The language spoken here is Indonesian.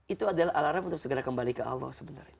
itu adalah alarm untuk segera kembali ke allah sebenarnya